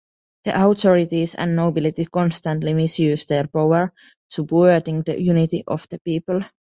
The authorities and nobility constantly misused their power, subverting the unity of the people.